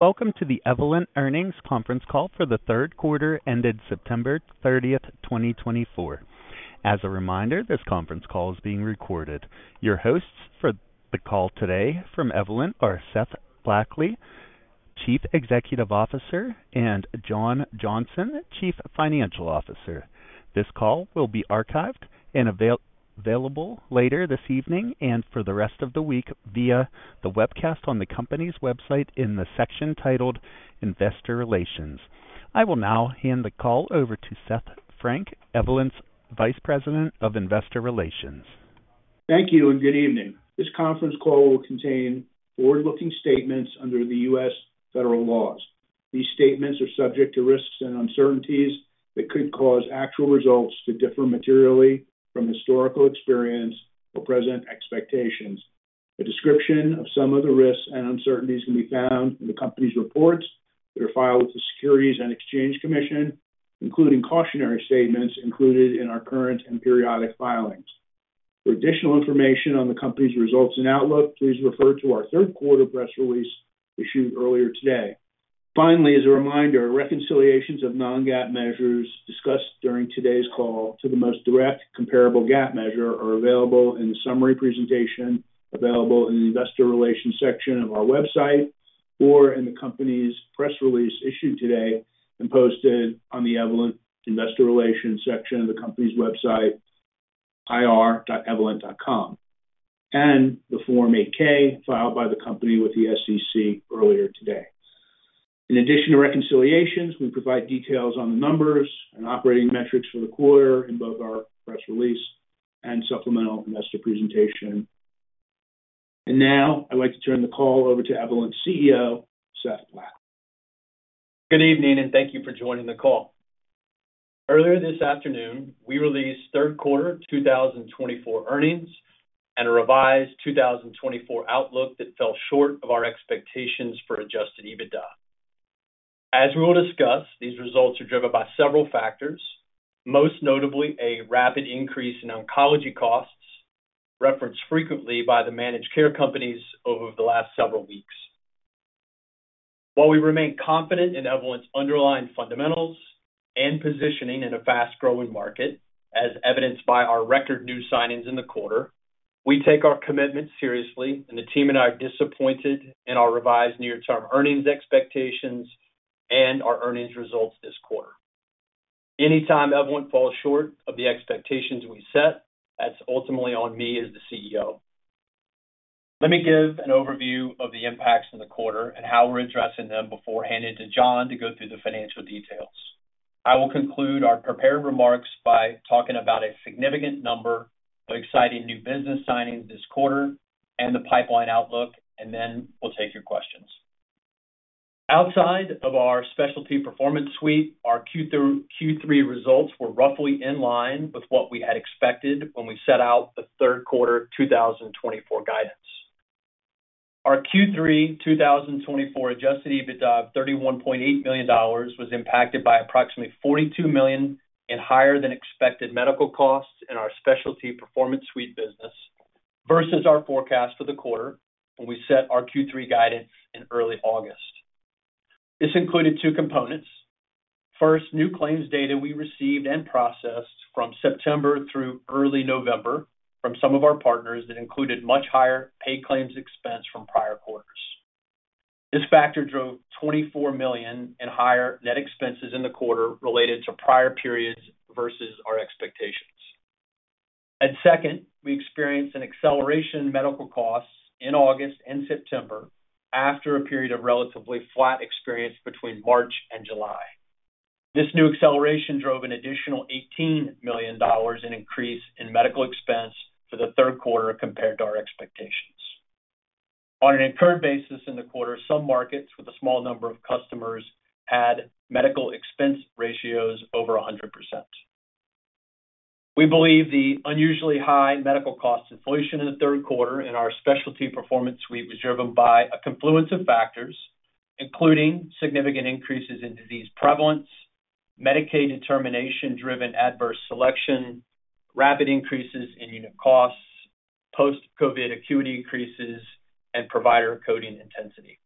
Welcome to the Evolent Earnings Conference Call for the third quarter ended September 30th, 2024. As a reminder, this conference call is being recorded. Your hosts for the call today from Evolent are Seth Blackley, Chief Executive Officer, and John Johnson, Chief Financial Officer. This call will be archived and available later this evening and for the rest of the week via the webcast on the company's website in the section titled Investor Relations. I will now hand the call over to Seth Frank, Evolent's Vice President of Investor Relations. Thank you and good evening. This conference call will contain forward-looking statements under the U.S. federal laws. These statements are subject to risks and uncertainties that could cause actual results to differ materially from historical experience or present expectations. A description of some of the risks and uncertainties can be found in the company's reports that are filed with the Securities and Exchange Commission, including cautionary statements included in our current and periodic filings. For additional information on the company's results and outlook, please refer to our third quarter press release issued earlier today. Finally, as a reminder, reconciliations of non-GAAP measures discussed during today's call to the most direct comparable GAAP measure are available in the summary presentation available in the Investor Relations section of our website or in the company's press release issued today and posted on the Evolent Investor Relations section of the company's website, ir.evolent.com, and the Form 8-K filed by the company with the SEC earlier today. In addition to reconciliations, we provide details on the numbers and operating metrics for the quarter in both our press release and supplemental investor presentation. And now I'd like to turn the call over to Evolent's CEO, Seth Blackley. Good evening and thank you for joining the call. Earlier this afternoon, we released third quarter 2024 earnings and a revised 2024 outlook that fell short of our expectations for Adjusted EBITDA. As we will discuss, these results are driven by several factors, most notably a rapid increase in oncology costs referenced frequently by the managed care companies over the last several weeks. While we remain confident in Evolent's underlying fundamentals and positioning in a fast-growing market, as evidenced by our record new signings in the quarter, we take our commitment seriously, and the team and I are disappointed in our revised near-term earnings expectations and our earnings results this quarter. Anytime Evolent falls short of the expectations we set, that's ultimately on me as the CEO. Let me give an overview of the impacts in the quarter and how we're addressing them before handing it to John to go through the financial details. I will conclude our prepared remarks by talking about a significant number of exciting new business signings this quarter and the pipeline outlook, and then we'll take your questions. Outside of our Specialty Performance Suite, our Q3 results were roughly in line with what we had expected when we set out the third quarter 2024 guidance. Our Q3 2024 Adjusted EBITDA of $31.8 million was impacted by approximately $42 million in higher-than-expected medical costs in our Specialty Performance Suite business versus our forecast for the quarter when we set our Q3 guidance in early August. This included two components. First, new claims data we received and processed from September through early November from some of our partners that included much higher paid claims expense from prior quarters. This factor drove $24 million in higher net expenses in the quarter related to prior periods versus our expectations. And second, we experienced an acceleration in medical costs in August and September after a period of relatively flat experience between March and July. This new acceleration drove an additional $18 million in increase in medical expense for the third quarter compared to our expectations. On an incurred basis in the quarter, some markets with a small number of customers had medical expense ratios over 100%. We believe the unusually high medical cost inflation in the third quarter in our Specialty Performance Suite was driven by a confluence of factors, including significant increases in disease prevalence, Medicaid determination-driven adverse selection, rapid increases in unit costs, post-COVID acuity increases, and provider coding intensity.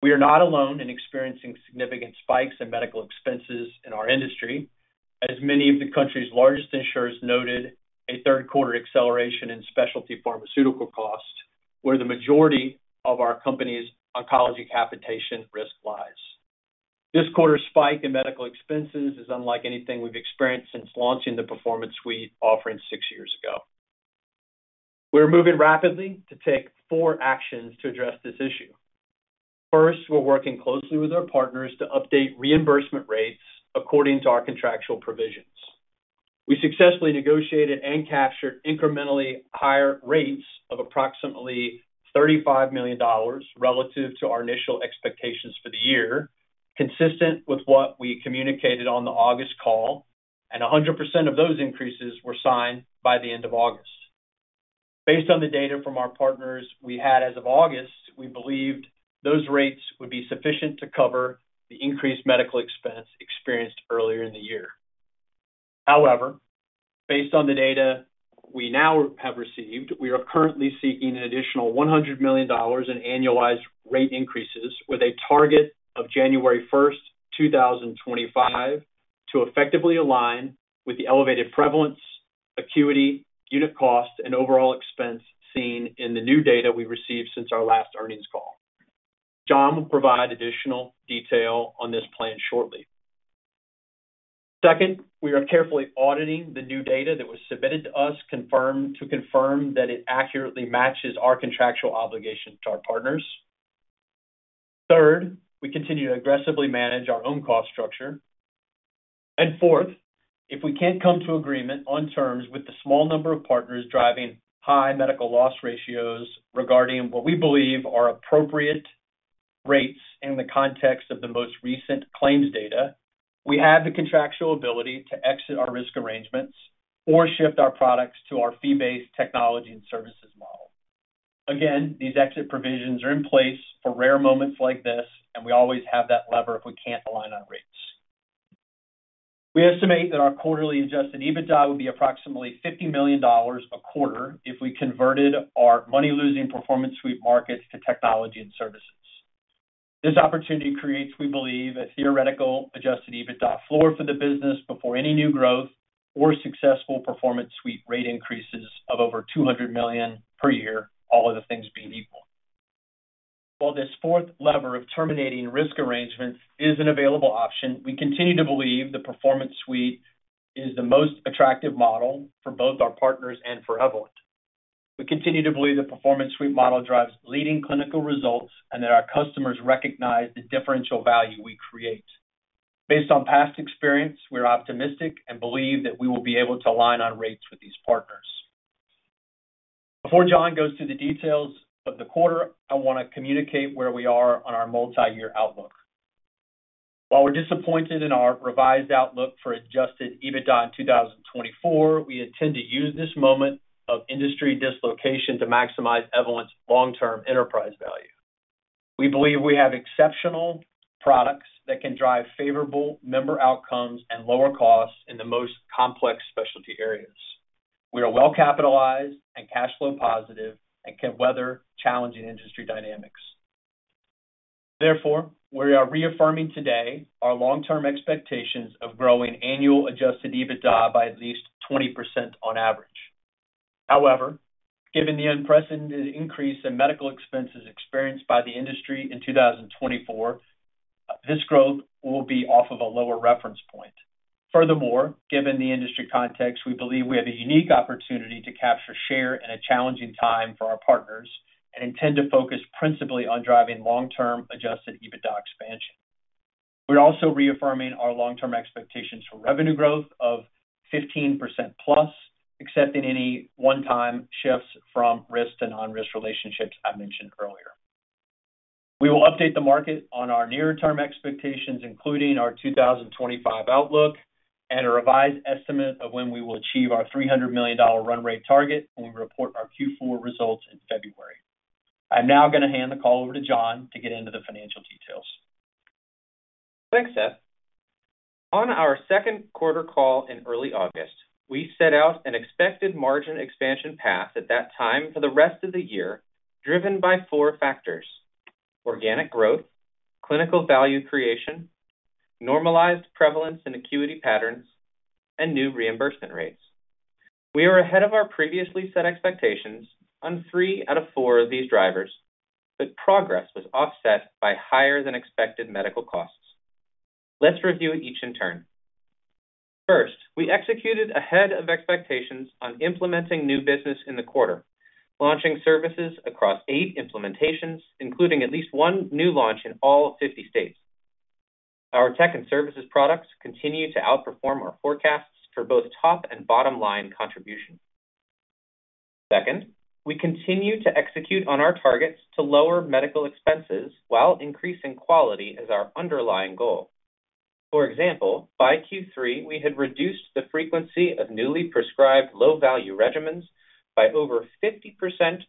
We are not alone in experiencing significant spikes in medical expenses in our industry, as many of the country's largest insurers noted: a third-quarter acceleration in specialty pharmaceutical costs where the majority of our company's oncology capitation risk lies. This quarter's spike in medical expenses is unlike anything we've experienced since launching the Performance Suite offering six years ago. We're moving rapidly to take four actions to address this issue. First, we're working closely with our partners to update reimbursement rates according to our contractual provisions. We successfully negotiated and captured incrementally higher rates of approximately $35 million relative to our initial expectations for the year, consistent with what we communicated on the August call, and 100% of those increases were signed by the end of August. Based on the data from our partners we had as of August, we believed those rates would be sufficient to cover the increased medical expense experienced earlier in the year. However, based on the data we now have received, we are currently seeking an additional $100 million in annualized rate increases with a target of January 1st, 2025, to effectively align with the elevated prevalence, acuity, unit cost, and overall expense seen in the new data we received since our last earnings call. John will provide additional detail on this plan shortly. Second, we are carefully auditing the new data that was submitted to us to confirm that it accurately matches our contractual obligations to our partners. Third, we continue to aggressively manage our own cost structure. And fourth, if we can't come to agreement on terms with the small number of partners driving high medical loss ratios regarding what we believe are appropriate rates in the context of the most recent claims data, we have the contractual ability to exit our risk arrangements or shift our products to our fee-based Technology and Services model. Again, these exit provisions are in place for rare moments like this, and we always have that lever if we can't align our rates. We estimate that our quarterly Adjusted EBITDA would be approximately $50 million a quarter if we converted our money-losing Performance Suite markets to Technology and Services. This opportunity creates, we believe, a theoretical Adjusted EBITDA floor for the business before any new growth or successful Performance Suite rate increases of over $200 million per year, all other things being equal. While this fourth lever of terminating risk arrangements is an available option, we continue to believe the Performance Suite is the most attractive model for both our partners and for Evolent. We continue to believe the Performance Suite model drives leading clinical results and that our customers recognize the differential value we create. Based on past experience, we are optimistic and believe that we will be able to align our rates with these partners. Before John goes to the details of the quarter, I want to communicate where we are on our multi-year outlook. While we're disappointed in our revised outlook for Adjusted EBITDA in 2024, we intend to use this moment of industry dislocation to maximize Evolent's long-term enterprise value. We believe we have exceptional products that can drive favorable member outcomes and lower costs in the most complex specialty areas. We are well-capitalized and cash flow positive and can weather challenging industry dynamics. Therefore, we are reaffirming today our long-term expectations of growing annual Adjusted EBITDA by at least 20% on average. However, given the unprecedented increase in medical expenses experienced by the industry in 2024, this growth will be off of a lower reference point. Furthermore, given the industry context, we believe we have a unique opportunity to capture share in a challenging time for our partners and intend to focus principally on driving long-term Adjusted EBITDA expansion. We're also reaffirming our long-term expectations for revenue growth of 15% plus, except in any one-time shifts from risk to non-risk relationships I mentioned earlier. We will update the market on our near-term expectations, including our 2025 outlook and a revised estimate of when we will achieve our $300 million run rate target when we report our Q4 results in February. I'm now going to hand the call over to John to get into the financial details. Thanks, Seth. On our second quarter call in early August, we set out an expected margin expansion path at that time for the rest of the year driven by four factors: organic growth, clinical value creation, normalized prevalence and acuity patterns, and new reimbursement rates. We were ahead of our previously set expectations on three out of four of these drivers, but progress was offset by higher-than-expected medical costs. Let's review each in turn. First, we executed ahead of expectations on implementing new business in the quarter, launching services across eight implementations, including at least one new launch in all 50 states. Our tech and services products continue to outperform our forecasts for both top and bottom-line contribution. Second, we continue to execute on our targets to lower medical expenses while increasing quality as our underlying goal. For example, by Q3, we had reduced the frequency of newly prescribed low-value regimens by over 50%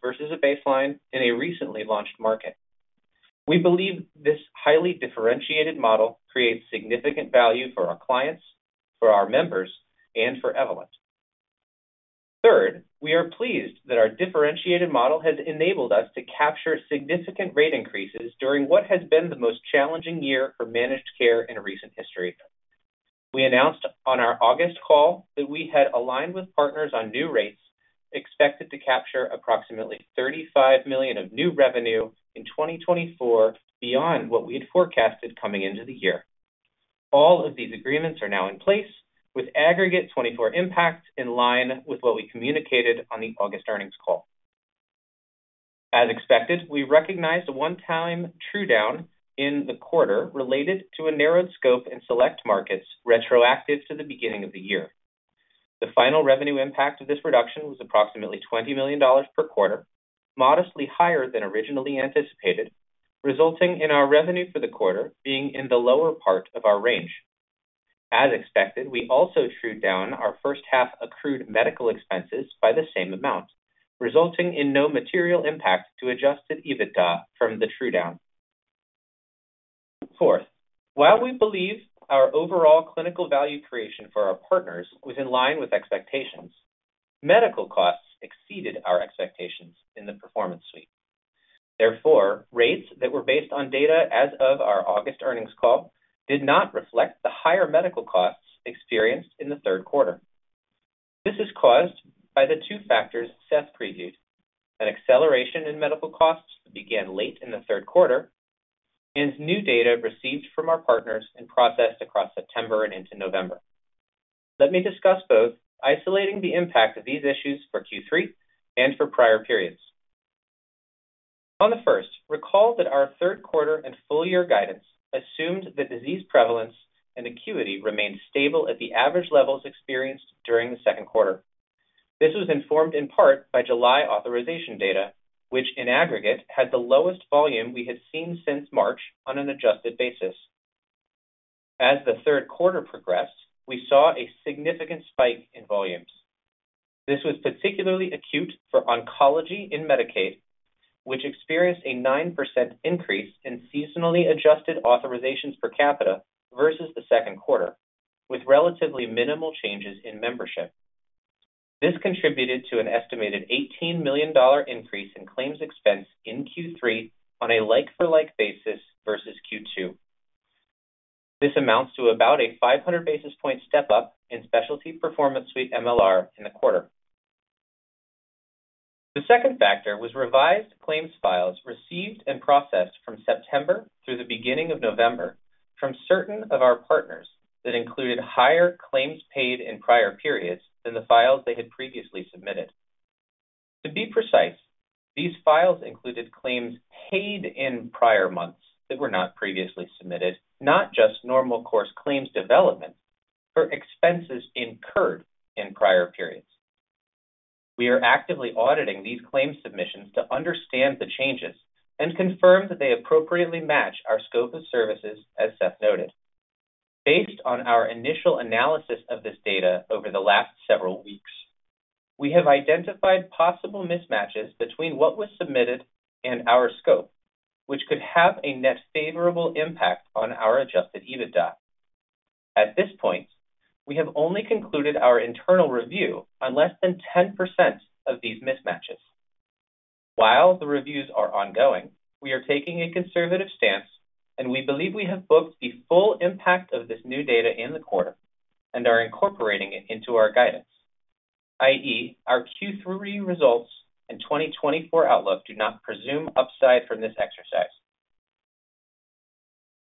versus a baseline in a recently launched market. We believe this highly differentiated model creates significant value for our clients, for our members, and for Evolent. Third, we are pleased that our differentiated model has enabled us to capture significant rate increases during what has been the most challenging year for managed care in recent history. We announced on our August call that we had aligned with partners on new rates expected to capture approximately $35 million of new revenue in 2024 beyond what we had forecasted coming into the year. All of these agreements are now in place with aggregate 2024 impact in line with what we communicated on the August earnings call. As expected, we recognized a one-time true down in the quarter related to a narrowed scope in select markets retroactive to the beginning of the year. The final revenue impact of this reduction was approximately $20 million per quarter, modestly higher than originally anticipated, resulting in our revenue for the quarter being in the lower part of our range. As expected, we also true down our first-half accrued medical expenses by the same amount, resulting in no material impact to Adjusted EBITDA from the true down. Fourth, while we believe our overall clinical value creation for our partners was in line with expectations, medical costs exceeded our expectations in the Performance Suite. Therefore, rates that were based on data as of our August earnings call did not reflect the higher medical costs experienced in the third quarter. This is caused by the two factors Seth previewed: an acceleration in medical costs that began late in the third quarter and new data received from our partners and processed across September and into November. Let me discuss both, isolating the impact of these issues for Q3 and for prior periods. On the first, recall that our third quarter and full-year guidance assumed that disease prevalence and acuity remained stable at the average levels experienced during the second quarter. This was informed in part by July authorization data, which in aggregate had the lowest volume we had seen since March on an adjusted basis. As the third quarter progressed, we saw a significant spike in volumes. This was particularly acute for oncology in Medicaid, which experienced a 9% increase in seasonally adjusted authorizations per capita versus the second quarter, with relatively minimal changes in membership. This contributed to an estimated $18 million increase in claims expense in Q3 on a like-for-like basis versus Q2. This amounts to about a 500 basis points step-up in specialty performance suite MLR in the quarter. The second factor was revised claims files received and processed from September through the beginning of November from certain of our partners that included higher claims paid in prior periods than the files they had previously submitted. To be precise, these files included claims paid in prior months that were not previously submitted, not just normal course claims development for expenses incurred in prior periods. We are actively auditing these claims submissions to understand the changes and confirm that they appropriately match our scope of services, as Seth noted. Based on our initial analysis of this data over the last several weeks, we have identified possible mismatches between what was submitted and our scope, which could have a net favorable impact on our Adjusted EBITDA. At this point, we have only concluded our internal review on less than 10% of these mismatches. While the reviews are ongoing, we are taking a conservative stance, and we believe we have booked the full impact of this new data in the quarter and are incorporating it into our guidance, i.e., our Q3 results and 2024 outlook do not presume upside from this exercise.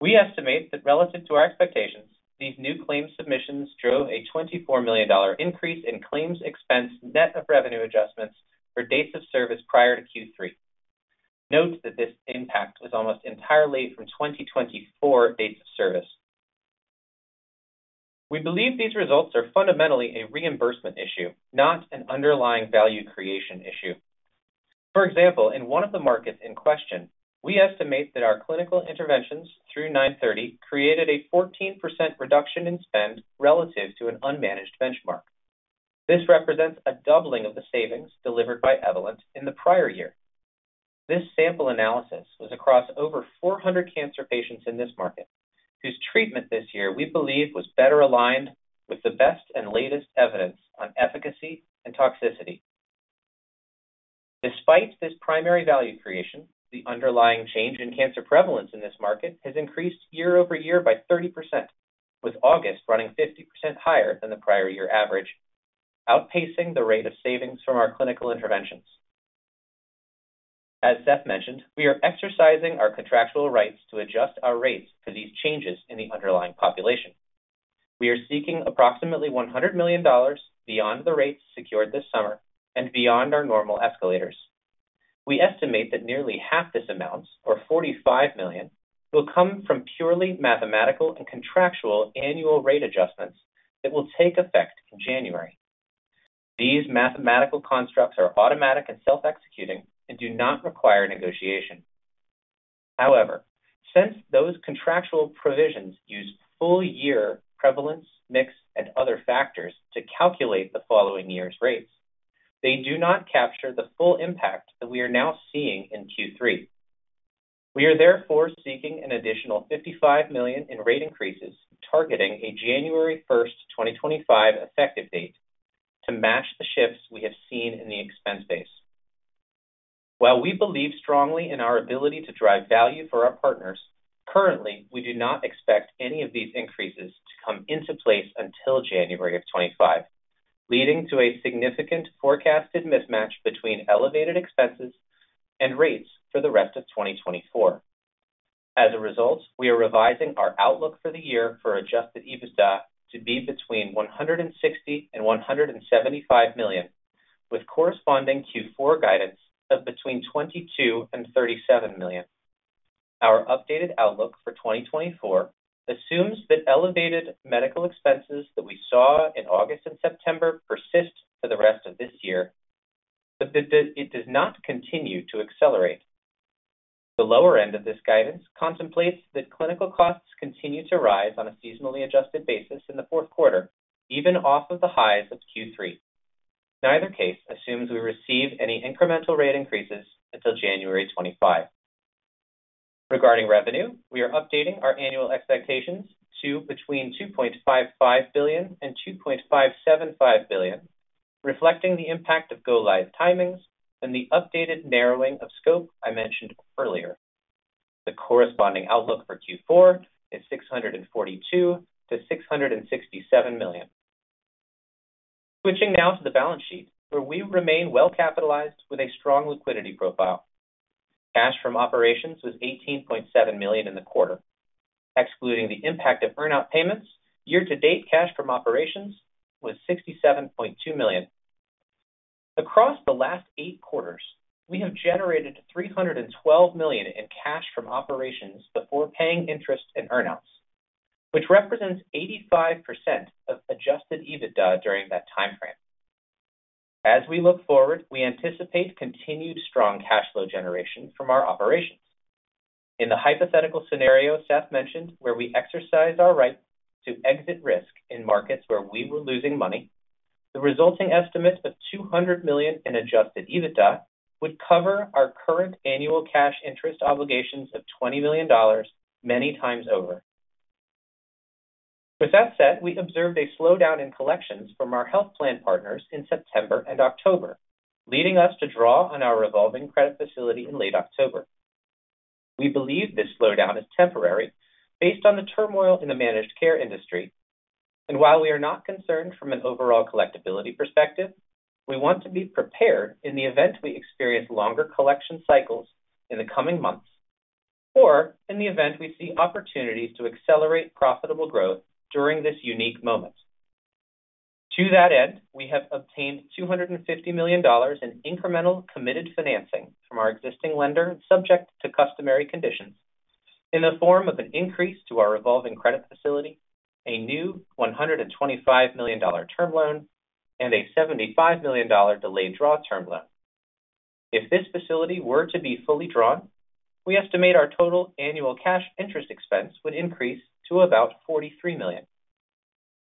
We estimate that relative to our expectations, these new claims submissions drove a $24 million increase in claims expense net of revenue adjustments for dates of service prior to Q3. Note that this impact was almost entirely from 2024 dates of service. We believe these results are fundamentally a reimbursement issue, not an underlying value creation issue. For example, in one of the markets in question, we estimate that our clinical interventions through Q3 created a 14% reduction in spend relative to an unmanaged benchmark. This represents a doubling of the savings delivered by Evolent in the prior year. This sample analysis was across over 400 cancer patients in this market, whose treatment this year we believe was better aligned with the best and latest evidence on efficacy and toxicity. Despite this primary value creation, the underlying change in cancer prevalence in this market has increased year over year by 30%, with August running 50% higher than the prior year average, outpacing the rate of savings from our clinical interventions. As Seth mentioned, we are exercising our contractual rights to adjust our rates for these changes in the underlying population. We are seeking approximately $100 million beyond the rates secured this summer and beyond our normal escalators. We estimate that nearly half this amount, or $45 million, will come from purely mathematical and contractual annual rate adjustments that will take effect in January. These mathematical constructs are automatic and self-executing and do not require negotiation. However, since those contractual provisions use full-year prevalence, mix, and other factors to calculate the following year's rates, they do not capture the full impact that we are now seeing in Q3. We are therefore seeking an additional $55 million in rate increases targeting a January 1, 2025 effective date to match the shifts we have seen in the expense base. While we believe strongly in our ability to drive value for our partners, currently, we do not expect any of these increases to come into place until January of 2025, leading to a significant forecasted mismatch between elevated expenses and rates for the rest of 2024. As a result, we are revising our outlook for the year for Adjusted EBITDA to be between $160-$175 million, with corresponding Q4 guidance of between $22-$37 million. Our updated outlook for 2024 assumes that elevated medical expenses that we saw in August and September persist for the rest of this year, but that it does not continue to accelerate. The lower end of this guidance contemplates that clinical costs continue to rise on a seasonally adjusted basis in the fourth quarter, even off of the highs of Q3. Neither case assumes we receive any incremental rate increases until January 2025. Regarding revenue, we are updating our annual expectations to between $2.55 billion and $2.575 billion, reflecting the impact of go-live timings and the updated narrowing of scope I mentioned earlier. The corresponding outlook for Q4 is $642-$667 million. Switching now to the balance sheet, where we remain well-capitalized with a strong liquidity profile. Cash from operations was $18.7 million in the quarter. Excluding the impact of earnout payments, year-to-date cash from operations was $67.2 million. Across the last eight quarters, we have generated $312 million in cash from operations before paying interest and earnouts, which represents 85% of adjusted EBITDA during that timeframe. As we look forward, we anticipate continued strong cash flow generation from our operations. In the hypothetical scenario Seth mentioned, where we exercise our right to exit risk in markets where we were losing money, the resulting estimate of $200 million in Adjusted EBITDA would cover our current annual cash interest obligations of $20 million many times over. With that said, we observed a slowdown in collections from our health plan partners in September and October, leading us to draw on our revolving credit facility in late October. We believe this slowdown is temporary based on the turmoil in the managed care industry, and while we are not concerned from an overall collectibility perspective, we want to be prepared in the event we experience longer collection cycles in the coming months or in the event we see opportunities to accelerate profitable growth during this unique moment. To that end, we have obtained $250 million in incremental committed financing from our existing lender subject to customary conditions in the form of an increase to our revolving credit facility, a new $125 million term loan, and a $75 million delayed draw term loan. If this facility were to be fully drawn, we estimate our total annual cash interest expense would increase to about $43 million.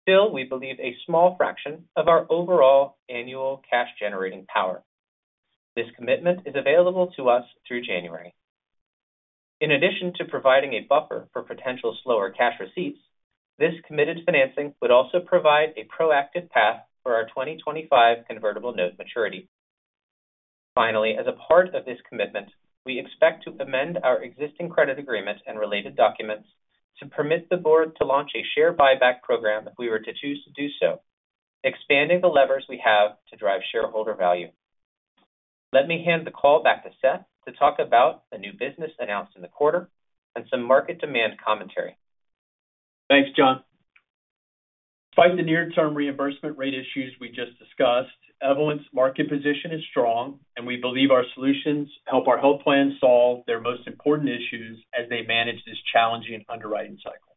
Still, we believe a small fraction of our overall annual cash-generating power. This commitment is available to us through January. In addition to providing a buffer for potential slower cash receipts, this committed financing would also provide a proactive path for our 2025 convertible note maturity. Finally, as a part of this commitment, we expect to amend our existing credit agreement and related documents to permit the board to launch a share buyback program if we were to choose to do so, expanding the levers we have to drive shareholder value. Let me hand the call back to Seth to talk about the new business announced in the quarter and some market demand commentary. Thanks, John. Despite the near-term reimbursement rate issues we just discussed, Evolent's market position is strong, and we believe our solutions help our health plan solve their most important issues as they manage this challenging underwriting cycle.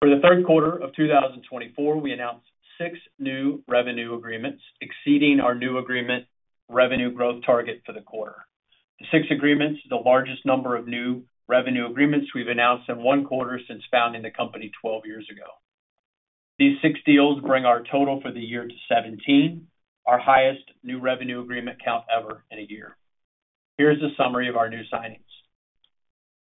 For the third quarter of 2024, we announced six new revenue agreements exceeding our new agreement revenue growth target for the quarter. The six agreements are the largest number of new revenue agreements we've announced in one quarter since founding the company 12 years ago. These six deals bring our total for the year to 17, our highest new revenue agreement count ever in a year. Here's a summary of our new signings.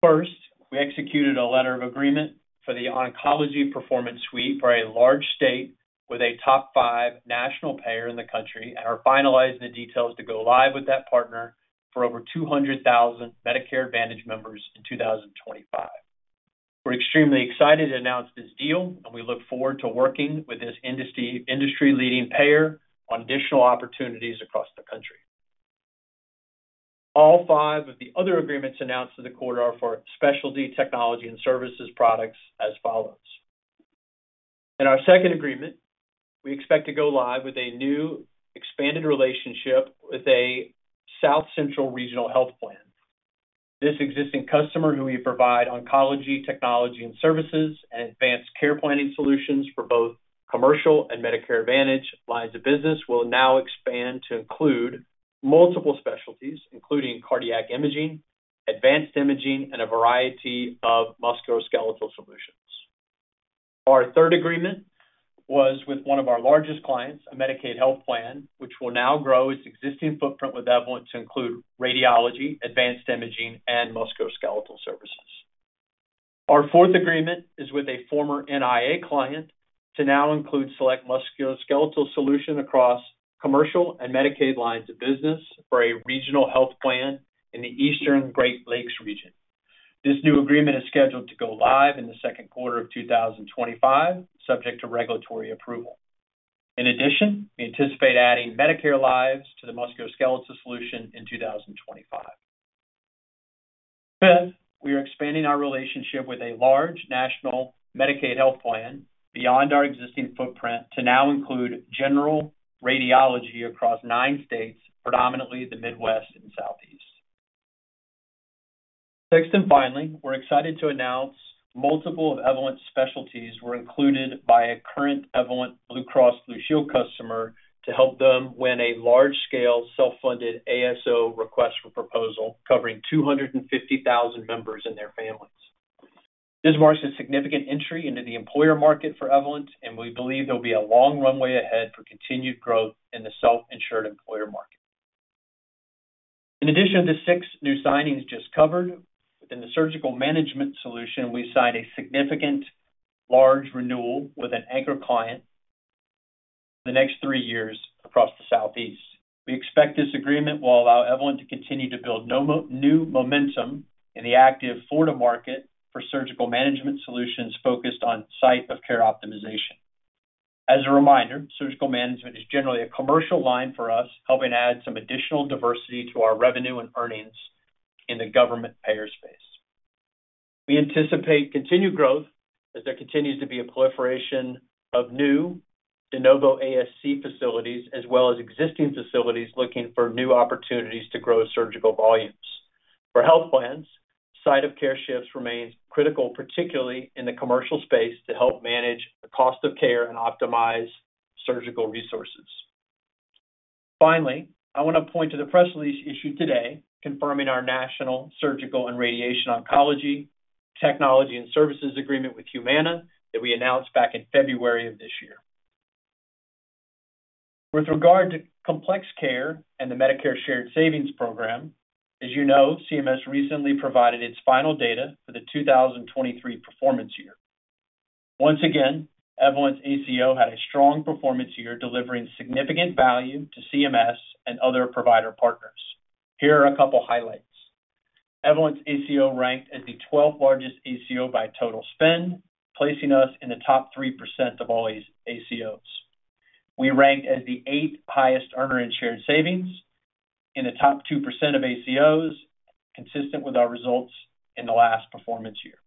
First, we executed a letter of agreement for the Oncology Performance Suite for a large state with a top five national payer in the country and are finalizing the details to go live with that partner for over 200,000 Medicare Advantage members in 2025. We're extremely excited to announce this deal, and we look forward to working with this industry-leading payer on additional opportunities across the country. All five of the other agreements announced in the quarter are for specialty technology and services products as follows. In our second agreement, we expect to go live with a new expanded relationship with a South Central regional health plan. This existing customer, who we provide oncology technology and services and Advanced Care Planning solutions for both commercial and Medicare Advantage lines of business, will now expand to include multiple specialties, including Cardiac Imaging, Advanced Imaging, and a variety of Musculoskeletal solutions. Our third agreement was with one of our largest clients, a Medicaid health plan, which will now grow its existing footprint with Evolent to include radiology, Advanced Imaging, and Musculoskeletal services. Our fourth agreement is with a former NIA client to now include select Musculoskeletal solutions across commercial and Medicaid lines of business for a regional health plan in the Eastern Great Lakes region. This new agreement is scheduled to go live in the second quarter of 2025, subject to regulatory approval. In addition, we anticipate adding Medicare lives to the Musculoskeletal solution in 2025. Fifth, we are expanding our relationship with a large national Medicaid health plan beyond our existing footprint to now include general radiology across nine states, predominantly the Midwest and Southeast. Sixth and finally, we're excited to announce multiple of Evolent's specialties were included by a current Evolent Blue Cross Blue Shield customer to help them win a large-scale self-funded ASO request for proposal covering 250,000 members and their families. This marks a significant entry into the employer market for Evolent, and we believe there will be a long runway ahead for continued growth in the self-insured employer market. In addition to the six new signings just covered, within the surgical management solution, we signed a significant large renewal with an anchor client for the next three years across the Southeast. We expect this agreement will allow Evolent to continue to build new momentum in the active Florida market for surgical management solutions focused on site-of-care optimization. As a reminder, surgical management is generally a commercial line for us, helping add some additional diversity to our revenue and earnings in the government payer space. We anticipate continued growth as there continues to be a proliferation of new de novo ASC facilities, as well as existing facilities looking for new opportunities to grow surgical volumes. For health plans, site-of-care shifts remain critical, particularly in the commercial space, to help manage the cost of care and optimize surgical resources. Finally, I want to point to the press release issued today confirming our national surgical and radiation oncology technology and services agreement with Humana that we announced back in February of this year. With regard to complex care and the Medicare Shared Savings Program, as you know, CMS recently provided its final data for the 2023 performance year. Once again, Evolent's ACO had a strong performance year, delivering significant value to CMS and other provider partners. Here are a couple of highlights. Evolent's ACO ranked as the 12th largest ACO by total spend, placing us in the top 3% of all ACOs. We ranked as the eighth highest earner in shared savings in the top 2% of ACOs, consistent with our results in the last performance year.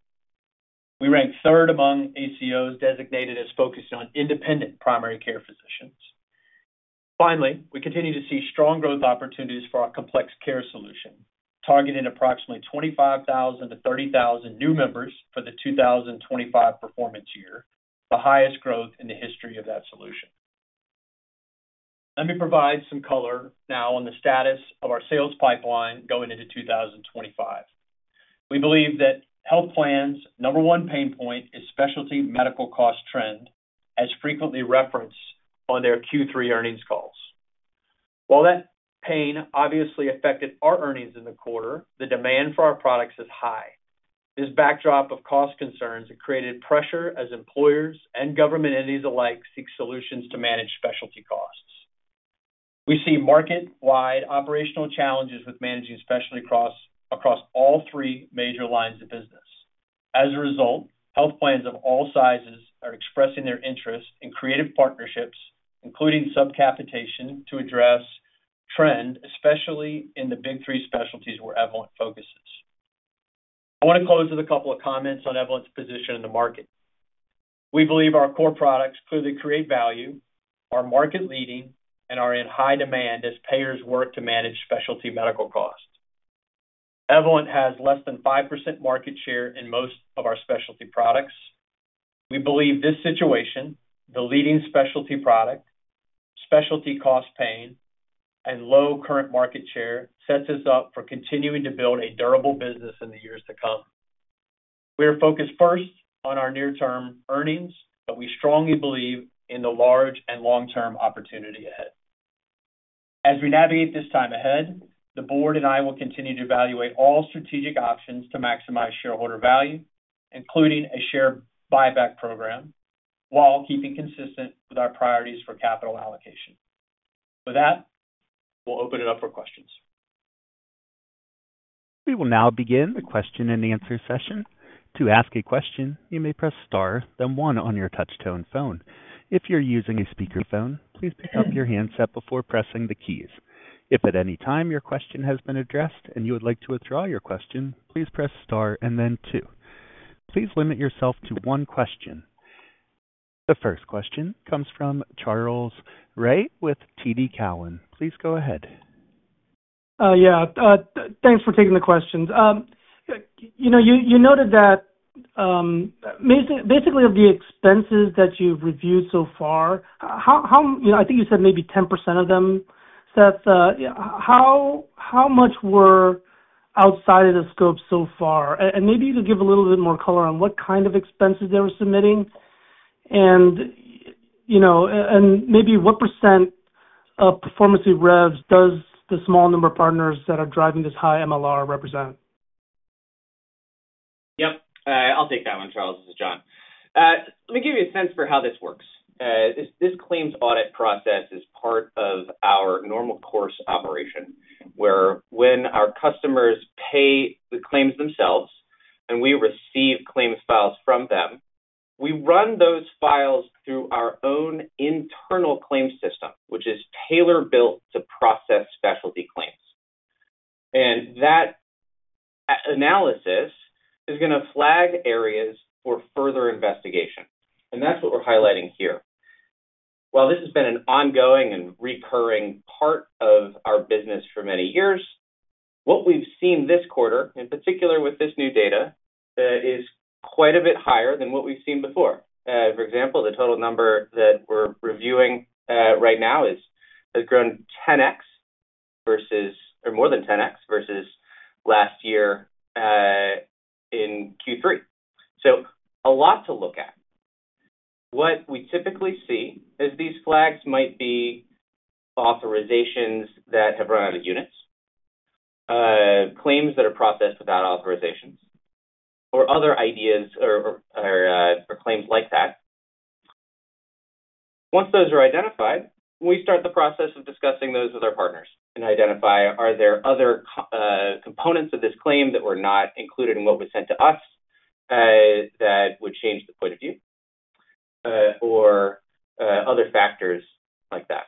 We ranked third among ACOs designated as focused on independent primary care physicians. Finally, we continue to see strong growth opportunities for our complex care solution, targeting approximately 25,000-30,000 new members for the 2025 performance year, the highest growth in the history of that solution. Let me provide some color now on the status of our sales pipeline going into 2025. We believe that health plan's number one pain point is specialty medical cost trend, as frequently referenced on their Q3 earnings calls. While that pain obviously affected our earnings in the quarter, the demand for our products is high. This backdrop of cost concerns has created pressure as employers and government entities alike seek solutions to manage specialty costs. We see market-wide operational challenges with managing specialty costs across all three major lines of business. As a result, health plans of all sizes are expressing their interest in creative partnerships, including subcapitation, to address trend, especially in the big three specialties where Evolent focuses. I want to close with a couple of comments on Evolent's position in the market. We believe our core products clearly create value, are market-leading, and are in high demand as payers work to manage specialty medical costs. Evolent has less than 5% market share in most of our specialty products. We believe this situation, the leading specialty product, specialty cost pain, and low current market share sets us up for continuing to build a durable business in the years to come. We are focused first on our near-term earnings, but we strongly believe in the large and long-term opportunity ahead. As we navigate this time ahead, the board and I will continue to evaluate all strategic options to maximize shareholder value, including a share buyback program, while keeping consistent with our priorities for capital allocation. With that, we'll open it up for questions. We will now begin the question-and-answer session. To ask a question, you may press Star, then 1 on your touch-tone phone. If you're using a speakerphone, please pick up your handset before pressing the keys. If at any time your question has been addressed and you would like to withdraw your question, please press Star and then 2. Please limit yourself to one question. The first question comes from Charles Rhyee with TD Cowen. Please go ahead. Yeah. Thanks for taking the questions. You noted that basically of the expenses that you've reviewed so far, I think you said maybe 10% of them, Seth. How much were outside of the scope so far? And maybe you could give a little bit more color on what kind of expenses they were submitting and maybe what percent of performance of revs does the small number of partners that are driving this high MLR represent? Yep. I'll take that one, Charles. This is John. Let me give you a sense for how this works. This claims audit process is part of our normal course operation, where when our customers pay the claims themselves and we receive claims files from them, we run those files through our own internal claims system, which is tailor-built to process specialty claims, and that analysis is going to flag areas for further investigation, and that's what we're highlighting here. While this has been an ongoing and recurring part of our business for many years, what we've seen this quarter, in particular with this new data, is quite a bit higher than what we've seen before. For example, the total number that we're reviewing right now has grown 10x versus or more than 10x versus last year in Q3, so a lot to look at. What we typically see is these flags might be authorizations that have run out of units, claims that are processed without authorizations, or other ideas or claims like that. Once those are identified, we start the process of discussing those with our partners and identify are there other components of this claim that were not included in what was sent to us that would change the point of view or other factors like that.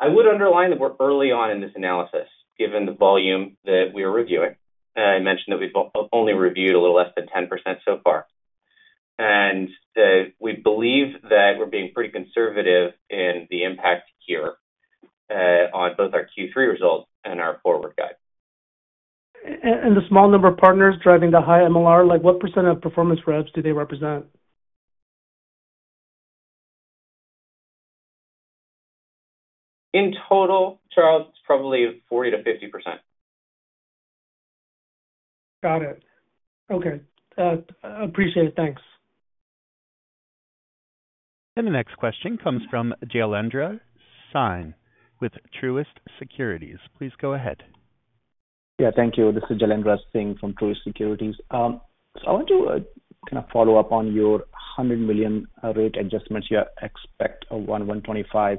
I would underline that we're early on in this analysis, given the volume that we are reviewing. I mentioned that we've only reviewed a little less than 10% so far. And we believe that we're being pretty conservative in the impact here on both our Q3 results and our forward guide. And the small number of partners driving the high MLR, what % of performance revs do they represent? In total, Charles, it's probably 40%-50%. Got it. Okay. Appreciate it. Thanks. And the next question comes from Jailendra Singh with Truist Securities. Please go ahead. Yeah. Thank you. This is Jailendra Singh from Truist Securities. So I want to kind of follow up on your $100 million rate adjustments you expect of 11.25.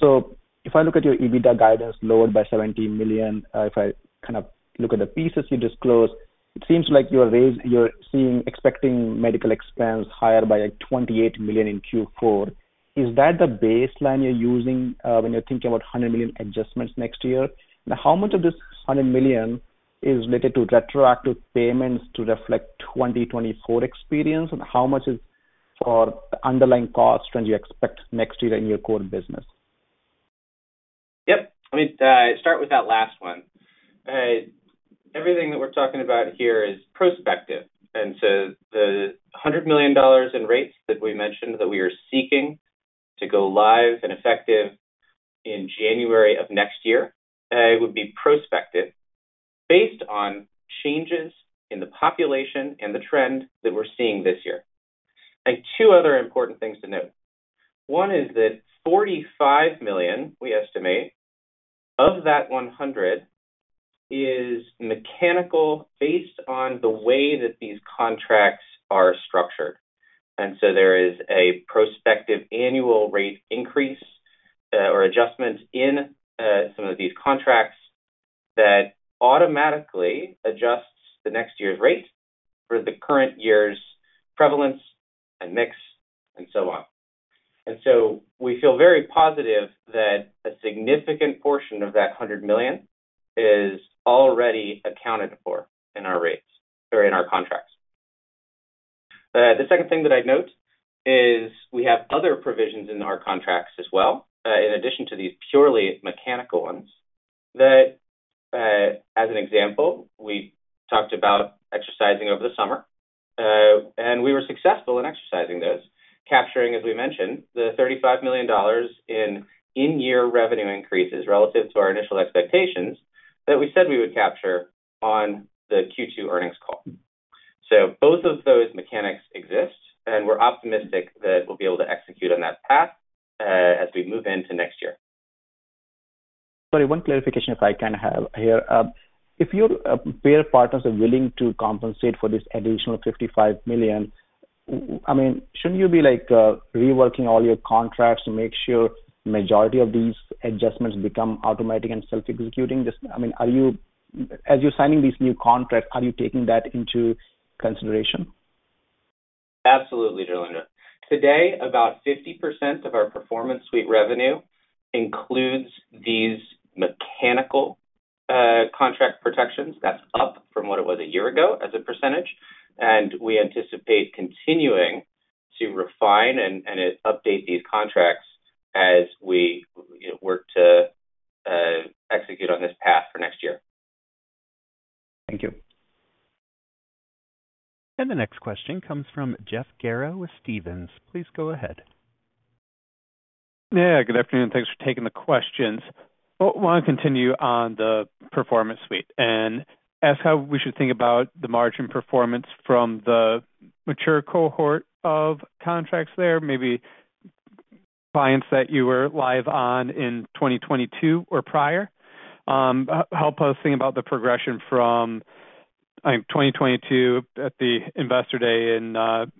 So if I look at your EBITDA guidance lowered by $17 million, if I kind of look at the pieces you disclose, it seems like you're expecting medical expense higher by $28 million in Q4. Is that the baseline you're using when you're thinking about $100 million adjustments next year? And how much of this $100 million is related to retroactive payments to reflect 2024 experience? And how much is for the underlying cost when you expect next year in your core business? Yep. Let me start with that last one. Everything that we're talking about here is prospective. And so the $100 million in rates that we mentioned that we are seeking to go live and effective in January of next year would be prospective based on changes in the population and the trend that we're seeing this year. And two other important things to note. One is that 45 million, we estimate, of that 100 is mechanical based on the way that these contracts are structured. And so there is a prospective annual rate increase or adjustment in some of these contracts that automatically adjusts the next year's rate for the current year's prevalence and mix and so on. And so we feel very positive that a significant portion of that 100 million is already accounted for in our rates or in our contracts. The second thing that I'd note is we have other provisions in our contracts as well, in addition to these purely mechanical ones, that as an example, we talked about exercising over the summer. And we were successful in exercising those, capturing, as we mentioned, the $35 million in-year revenue increases relative to our initial expectations that we said we would capture on the Q2 earnings call. So both of those mechanics exist, and we're optimistic that we'll be able to execute on that path as we move into next year. Sorry, one clarification, if I can have here. If your payer partners are willing to compensate for this additional $55 million, I mean, shouldn't you be reworking all your contracts to make sure the majority of these adjustments become automatic and self-executing? I mean, as you're signing these new contracts, are you taking that into consideration? Absolutely, Jailendra. Today, about 50% of our performance suite revenue includes these mechanical contract protections. That's up from what it was a year ago as a percentage. And we anticipate continuing to refine and update these contracts as we work to execute on this path for next year. Thank you. And the next question comes from Jeff Garro with Stephens. Please go ahead. Yeah. Good afternoon. Thanks for taking the questions. Well, I'll continue on the performance suite and ask how we should think about the margin performance from the mature cohort of contracts there, maybe compliance that you were live on in 2022 or prior. Help us think about the progression from 2022 at the investor day in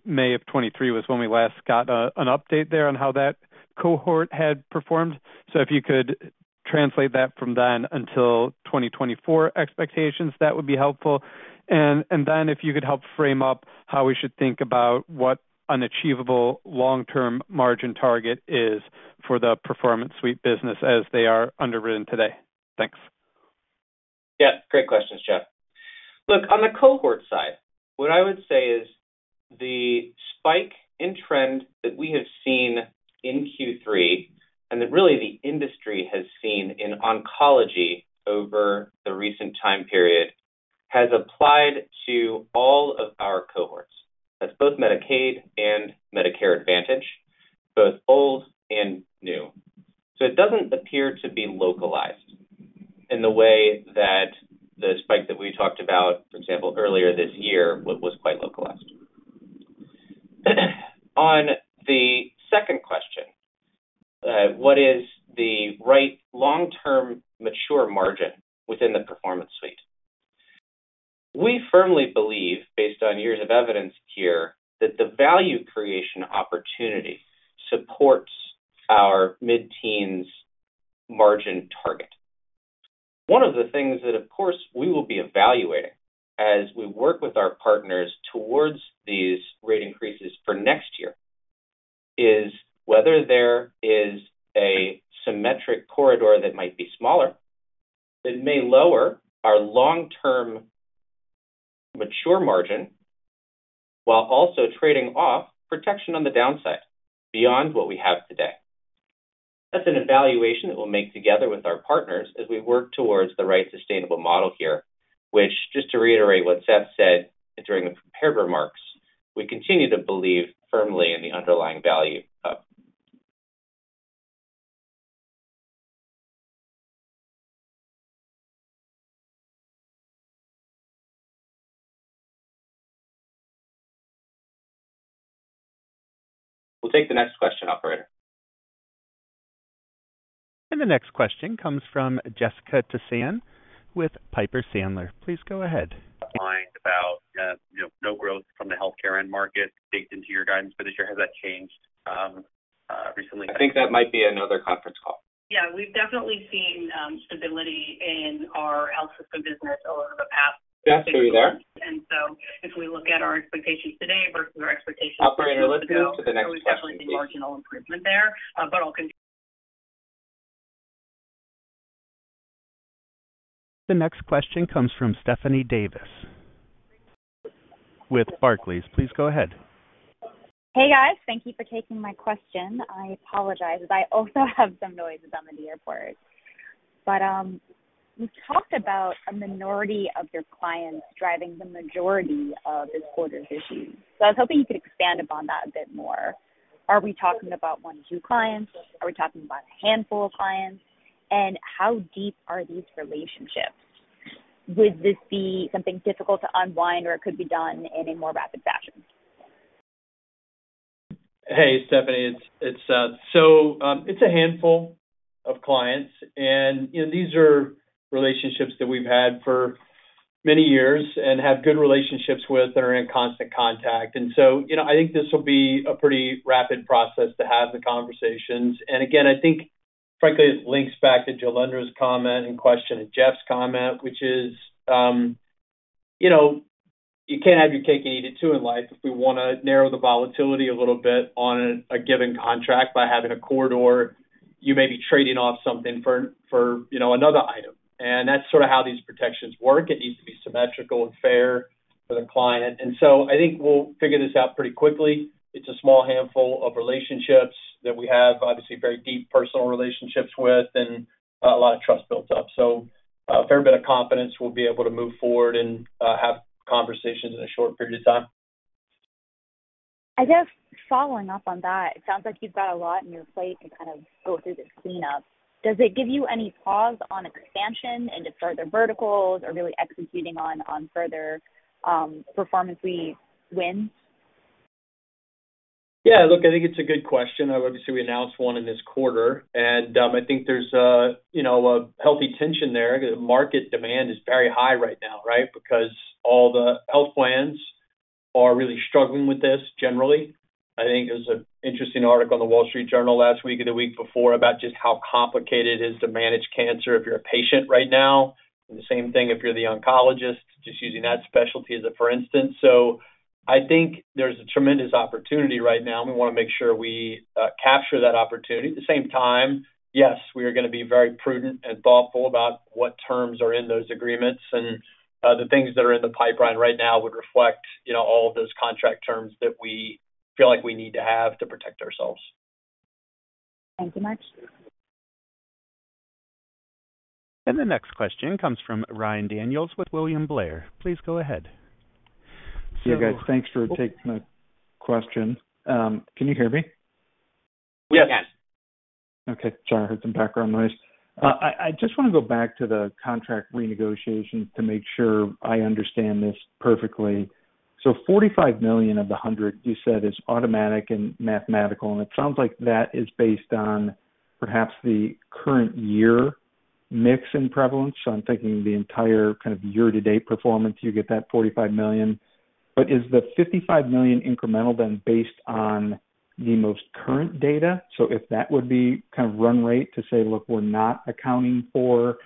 May of 2023 was when we last got an update there on how that cohort had performed. So if you could translate that from then until 2024 expectations, that would be helpful. And then if you could help frame up how we should think about what an achievable long-term margin target is for the Performance Suite business as they are underwritten today. Thanks. Yeah. Great questions, Jeff. Look, on the cohort side, what I would say is the spike in trend that we have seen in Q3 and that really the industry has seen in oncology over the recent time period has applied to all of our cohorts. That's both Medicaid and Medicare Advantage, both old and new. So it doesn't appear to be localized in the way that the spike that we talked about, for example, earlier this year was quite localized. On the second question, what is the right long-term mature margin within the Performance Suite? We firmly believe, based on years of evidence here, that the value creation opportunity supports our mid-teens margin target. One of the things that, of course, we will be evaluating as we work with our partners towards these rate increases for next year is whether there is a symmetric corridor that might be smaller that may lower our long-term mature margin while also trading off protection on the downside beyond what we have today. That's an evaluation that we'll make together with our partners as we work towards the right sustainable model here, which, just to reiterate what Seth said during the prepared remarks, we continue to believe firmly in the underlying value of. We'll take the next question up, right? The next question comes from Jessica Tassan with Piper Sandler. Please go ahead. Mind about no growth from the healthcare end market baked into your guidance for this year? Has that changed recently? I think that might be another conference call. Yeah. We've definitely seen stability in our health system business over the past. Jeff, are you there? So if we look at our expectations today versus our expectations for next year, we've definitely seen marginal improvement there. But I'll continue. The next question comes from Stephanie Davis with Barclays. Please go ahead. Hey, guys. Thank you for taking my question. I apologize as I also have some noise on my end. But you talked about a minority of your clients driving the majority of this quarter's issues. So I was hoping you could expand upon that a bit more. Are we talking about one or two clients? Are we talking about a handful of clients? And how deep are these relationships? Would this be something difficult to unwind, or could it be done in a more rapid fashion? Hey, Stephanie. So it's a handful of clients. These are relationships that we've had for many years and have good relationships with that are in constant contact. So I think this will be a pretty rapid process to have the conversations. Again, I think, frankly, it links back to Jailendra's comment and question and Jeff's comment, which is you can't have your cake and eat it too in life. If we want to narrow the volatility a little bit on a given contract by having a corridor, you may be trading off something for another item. That's sort of how these protections work. It needs to be symmetrical and fair for the client. So I think we'll figure this out pretty quickly. It's a small handful of relationships that we have, obviously, very deep personal relationships with and a lot of trust built up. So a fair bit of confidence, we'll be able to move forward and have conversations in a short period of time. I guess following up on that, it sounds like you've got a lot on your plate to kind of go through this cleanup. Does it give you any pause on expansion into further verticals or really executing on further performance win? Yeah. Look, I think it's a good question. Obviously, we announced one in this quarter. And I think there's a healthy tension there because market demand is very high right now, right, because all the health plans are really struggling with this generally. I think there's an interesting article in The Wall Street Journal last week and the week before about just how complicated it is to manage cancer if you're a patient right now. And the same thing if you're the oncologist, just using that specialty as a for instance. So I think there's a tremendous opportunity right now, and we want to make sure we capture that opportunity. At the same time, yes, we are going to be very prudent and thoughtful about what terms are in those agreements. And the things that are in the pipeline right now would reflect all of those contract terms that we feel like we need to have to protect ourselves. Thank you much. And the next question comes from Ryan Daniels with William Blair. Please go ahead. Hey, guys. Thanks for taking my question. Can you hear me? Yes. Yes. Okay. Sorry, I heard some background noise. I just want to go back to the contract renegotiation to make sure I understand this perfectly. So $45 million of the $100 million, you said, is automatic and mathematical. It sounds like that is based on perhaps the current year mix and prevalence. So I'm thinking the entire kind of year-to-date performance, you get that $45 million. But is the $55 million incremental then based on the most current data? So if that would be kind of run rate to say, "Look, we're not accounting for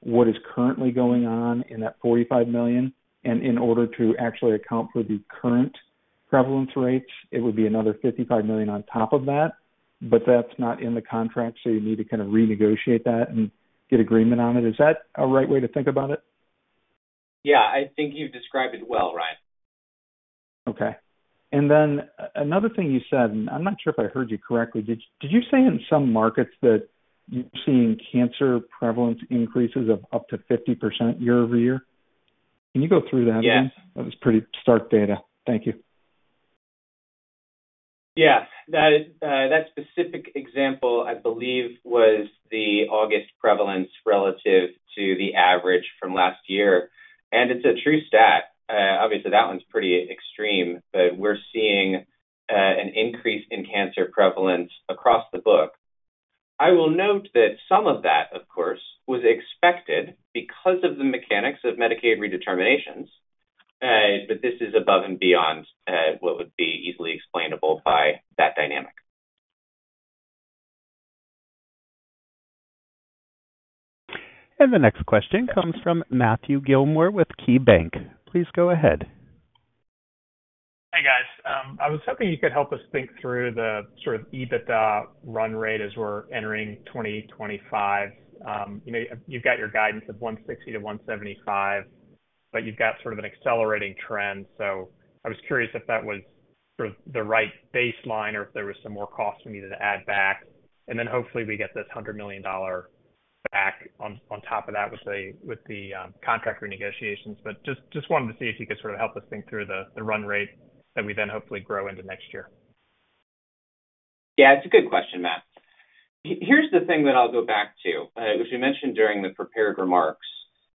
what is currently going on in that $45 million." And in order to actually account for the current prevalence rates, it would be another $55 million on top of that. But that's not in the contract. So you need to kind of renegotiate that and get agreement on it. Is that a right way to think about it? Yeah. I think you've described it well, Ryan. Okay. And then another thing you said, and I'm not sure if I heard you correctly. Did you say in some markets that you're seeing cancer prevalence increases of up to 50% year over year? Can you go through that again? Yes. That was pretty stark data. Thank you. Yeah. That specific example, I believe, was the August prevalence relative to the average from last year. And it's a true stat. Obviously, that one's pretty extreme, but we're seeing an increase in cancer prevalence across the book. I will note that some of that, of course, was expected because of the mechanics of Medicaid redeterminations. But this is above and beyond what would be easily explainable by that dynamic. And the next question comes from Matthew Gillmor with KeyBanc Capital Markets. Please go ahead. Hey, guys. I was hoping you could help us think through the sort of EBITDA run rate as we're entering 2025. You've got your guidance of 160-175, but you've got sort of an accelerating trend. So I was curious if that was sort of the right baseline or if there was some more cost we needed to add back. And then hopefully, we get this $100 million back on top of that with the contract renegotiations. But just wanted to see if you could sort of help us think through the run rate that we then hopefully grow into next year. Yeah. It's a good question, Matt. Here's the thing that I'll go back to, which we mentioned during the prepared remarks,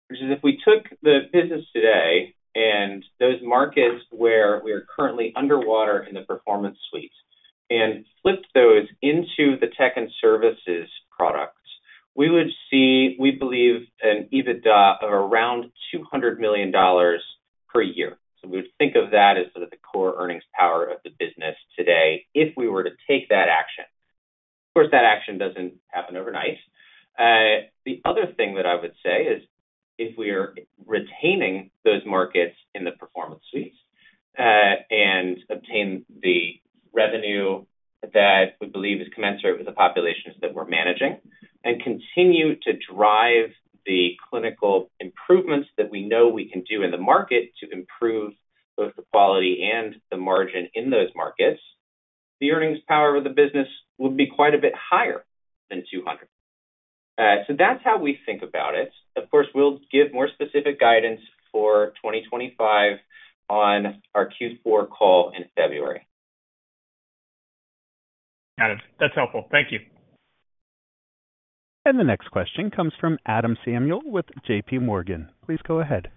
which is if we took the business today and those markets where we are currently underwater in the Performance Suite and flipped those into the tech and services products, we would see, we believe, an EBITDA of around $200 million per year. So we would think of that as sort of the core earnings power of the business today if we were to take that action. Of course, that action doesn't happen overnight. The other thing that I would say is if we are retaining those markets in the Performance Suites and obtain the revenue that we believe is commensurate with the populations that we're managing and continue to drive the clinical improvements that we know we can do in the market to improve both the quality and the margin in those markets, the earnings power of the business would be quite a bit higher than 200. So that's how we think about it. Of course, we'll give more specific guidance for 2025 on our Q4 call in February. Got it. That's helpful. Thank you. And the next question comes from Anne Samuel with J.P. Morgan. Please go ahead.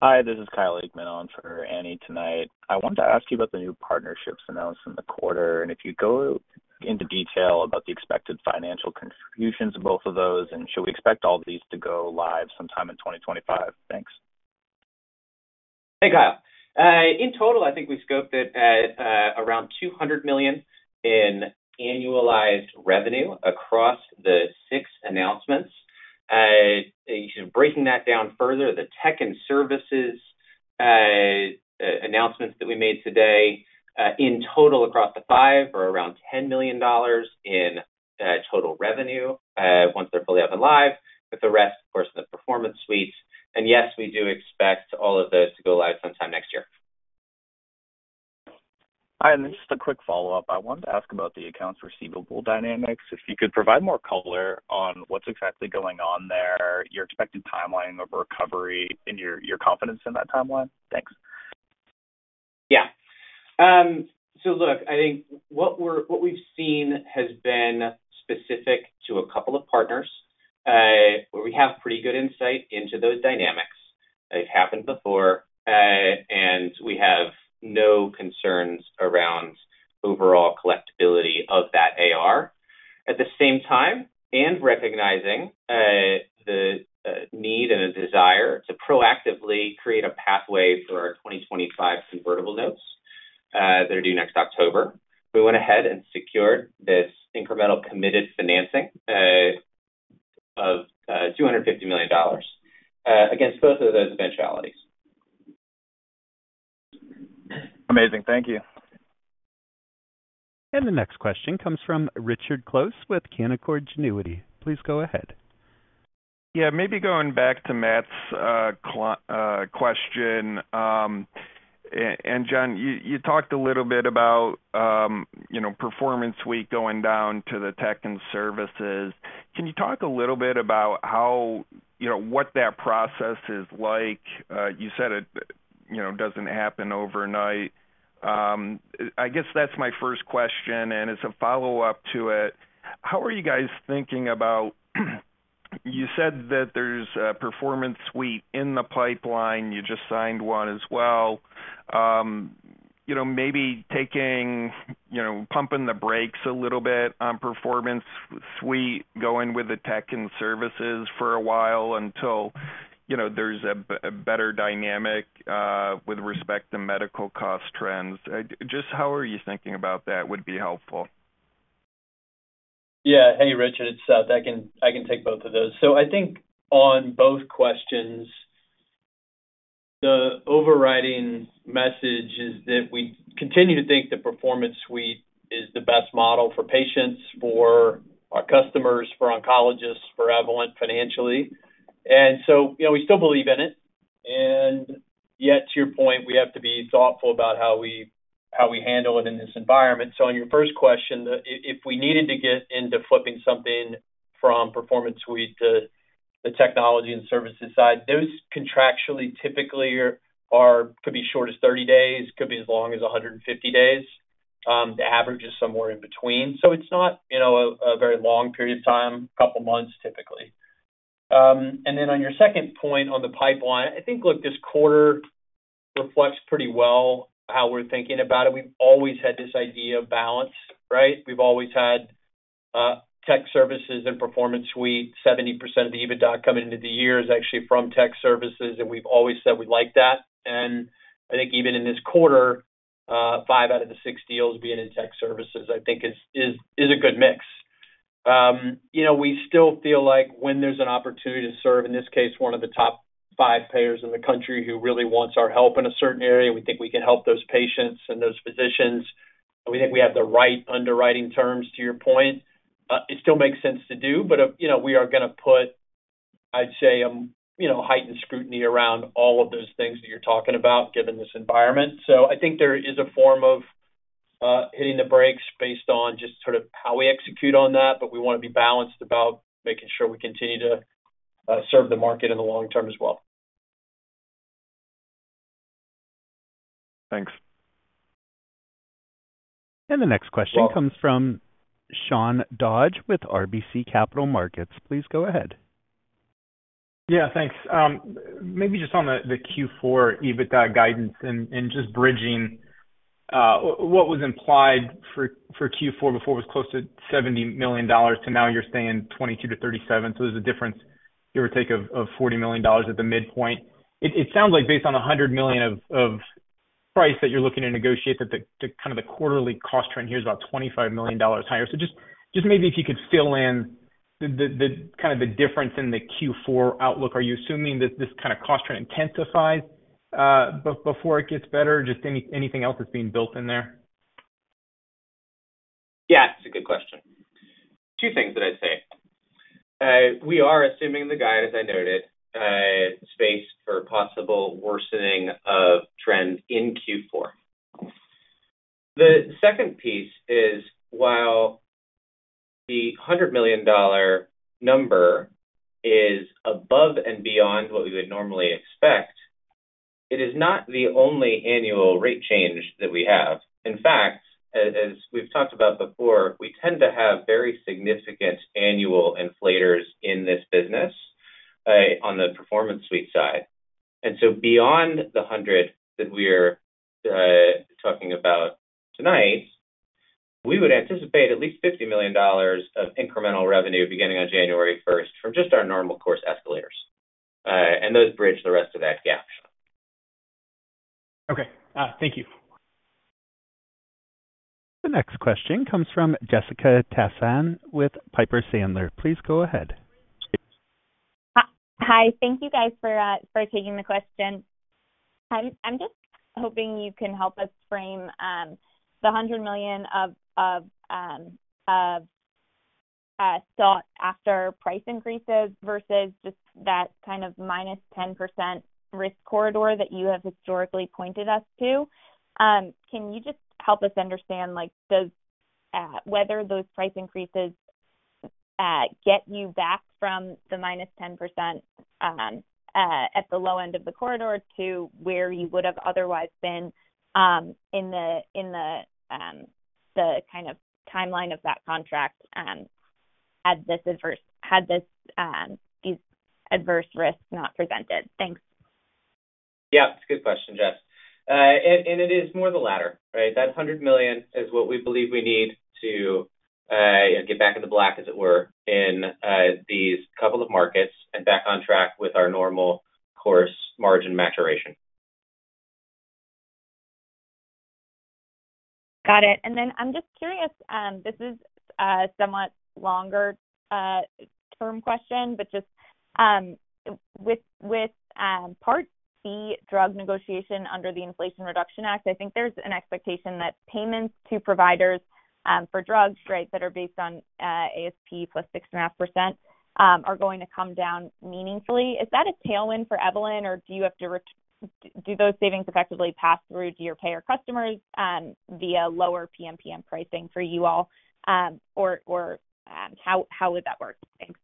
Hi. This is Kyle Ekman on for Anne tonight. I wanted to ask you about the new partnerships announced in the quarter. And if you go into detail about the expected financial contributions of both of those, and should we expect all these to go live sometime in 2025? Thanks. Hey, Kyle. In total, I think we scoped it at around $200 million in annualized revenue across the six announcements. Breaking that down further, the tech and services announcements that we made today in total across the five are around $10 million in total revenue once they're fully up and live, with the rest, of course, in the performance suites. And yes, we do expect all of those to go live sometime next year. Hi. And just a quick follow-up. I wanted to ask about the accounts receivable dynamics. If you could provide more color on what's exactly going on there, your expected timeline of recovery, and your confidence in that timeline. Thanks. Yeah. So look, I think what we've seen has been specific to a couple of partners. We have pretty good insight into those dynamics. They've happened before. And we have no concerns around overall collectibility of that AR. At the same time, and recognizing the need and a desire to proactively create a pathway for our 2025 convertible notes that are due next October, we went ahead and secured this incremental committed financing of $250 million against both of those eventualities. Amazing. Thank you. And the next question comes from Richard Close with Canaccord Genuity. Please go ahead. Yeah. Maybe going back to Matt's question. And John, you talked a little bit about Performance Suite going down to the tech and services. Can you talk a little bit about what that process is like? You said it doesn't happen overnight. I guess that's my first question. And as a follow-up to it, how are you guys thinking about you said that there's a Performance Suite in the pipeline. You just signed one as well. Maybe pumping the brakes a little bit on Performance Suite, going with the tech and services for a while until there's a better dynamic with respect to medical cost trends. Just how are you thinking about that would be helpful? Yeah. Hey, Richard. I can take both of those. So I think on both questions, the overriding message is that we continue to think the Performance Suite is the best model for patients, for our customers, for oncologists, for Evolent financially. And so we still believe in it. And yet, to your point, we have to be thoughtful about how we handle it in this environment. So on your first question, if we needed to get into flipping something from Performance Suite to the Technology and Services side, those contractually typically could be short as 30 days, could be as long as 150 days. The average is somewhere in between. So it's not a very long period of time, a couple of months typically. And then on your second point on the pipeline, I think, look, this quarter reflects pretty well how we're thinking about it. We've always had this idea of balance, right? We've always had tech services and Performance Suite. 70% of the EBITDA coming into the year is actually from tech services. And we've always said we like that. And I think even in this quarter, five out of the six deals being in tech services, I think, is a good mix. We still feel like when there's an opportunity to serve, in this case, one of the top five payers in the country who really wants our help in a certain area, we think we can help those patients and those physicians. We think we have the right underwriting terms, to your point. It still makes sense to do. But we are going to put, I'd say, heightened scrutiny around all of those things that you're talking about, given this environment. So I think there is a form of hitting the brakes based on just sort of how we execute on that. But we want to be balanced about making sure we continue to serve the market in the long term as well. Thanks. And the next question comes from Sean Dodge with RBC Capital Markets. Please go ahead. Yeah. Thanks. Maybe just on the Q4 EBITDA guidance and just bridging what was implied for Q4 before it was close to $70 million to now you're saying $22 million-$37 million. So there's a difference, give or take, of $40 million at the midpoint. It sounds like based on $100 million of price that you're looking to negotiate, that kind of the quarterly cost trend here is about $25 million higher. So just maybe if you could fill in kind of the difference in the Q4 outlook, are you assuming that this kind of cost trend intensifies before it gets better? Just anything else that's being built in there? Yeah. It's a good question. Two things that I'd say. We are assuming the guide, as I noted, space for possible worsening of trend in Q4. The second piece is while the $100 million number is above and beyond what we would normally expect, it is not the only annual rate change that we have. In fact, as we've talked about before, we tend to have very significant annual inflaters in this business on the Performance Suite side. And so beyond the 100 that we are talking about tonight, we would anticipate at least $50 million of incremental revenue beginning on January 1st from just our normal course escalators. And those bridge the rest of that gap, Sean. Okay. Thank you. The next question comes from Jessica Tassan with Piper Sandler. Please go ahead. Hi. Thank you, guys, for taking the question. I'm just hoping you can help us frame the 100 million of sought-after price increases versus just that kind of -10% risk corridor that you have historically pointed us to. Can you just help us understand whether those price increases get you back from the -10% at the low end of the corridor to where you would have otherwise been in the kind of timeline of that contract had these adverse risks not presented? Thanks. Yeah. It's a good question, Jess. And it is more the latter, right? That $100 million is what we believe we need to get back in the black, as it were, in these couple of markets and back on track with our normal course margin maturation. Got it. And then I'm just curious. This is a somewhat longer-term question, but just with Part C drug negotiation under the Inflation Reduction Act, I think there's an expectation that payments to providers for drugs that are based on ASP plus 6.5% are going to come down meaningfully. Is that a tailwind for Evolent, or do you have to do those savings effectively pass through to your payer customers via lower PMPM pricing for you all? Or how would that work? Thanks.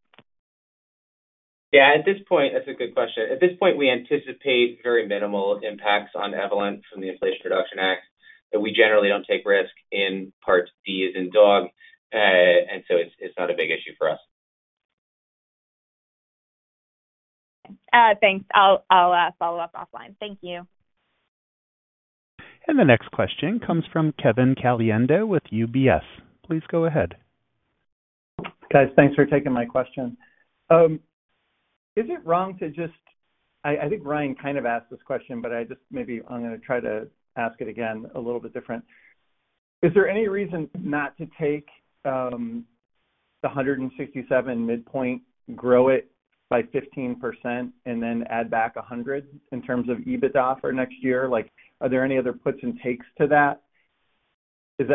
Yeah. At this point, that's a good question. At this point, we anticipate very minimal impacts on Evolent from the Inflation Reduction Act. We generally don't take risk in Part D as we do. And so it's not a big issue for us. Thanks. I'll follow up offline. Thank you. And the next question comes from Kevin Caliendo with UBS. Please go ahead. Guys, thanks for taking my question. Is it wrong to just - I think Ryan kind of asked this question, but I just maybe I'm going to try to ask it again a little bit different. Is there any reason not to take the 167 midpoint, grow it by 15%, and then add back 100 in terms of EBITDA for next year? Are there any other puts and takes to that?